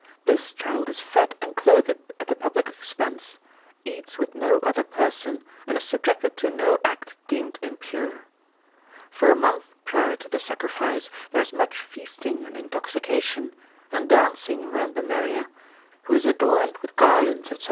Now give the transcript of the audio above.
This child is fed and clothed at the public expense, eats with no other person, and is subjected to no act deemed impure. For a month prior to the sacrifice, there is much feasting and intoxication, and dancing round the Meriah, who is adorned with garlands, etc.